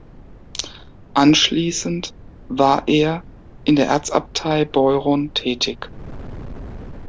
Anschließend war er in der Erzabtei Beuron tätig.